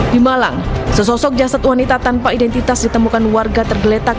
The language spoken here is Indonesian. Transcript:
di malang sesosok jasad wanita tanpa identitas ditemukan warga tergeletak